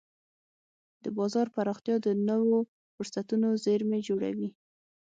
د بازار پراختیا د نوو فرصتونو زېرمې جوړوي.